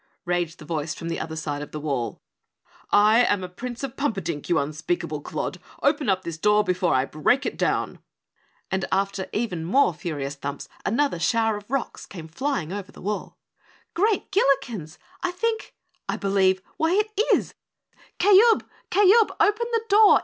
raged the voice from the other side of the wall. "I am a Prince of Pumperdink, you unspeakable clod. Open up this door before I break it down!" And after even more furious thumps another shower of rocks came flying over the wall. "Great Gillikens! I think I believe why it IS! Kayub, Kayub, open the door!